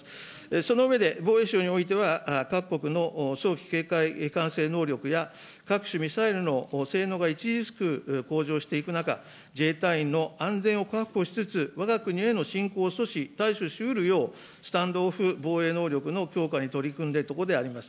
その上で防衛省においては、各国の早期警戒管制能力や各種ミサイルの性能が著しく向上していく中、自衛隊員の安全を確保しつつ、わが国への侵攻阻止対処しうるよう、スタンドオフ防衛能力の強化に取り組んでいるところであります。